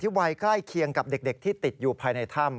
วัยใกล้เคียงกับเด็กที่ติดอยู่ภายในถ้ำ